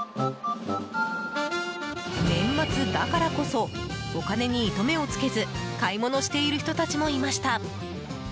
年末だからこそお金に糸目をつけず買い物している人たちもいました。